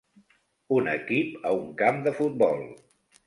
Un equip a un camp de futbol.